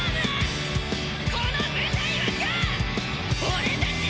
この舞台は今日！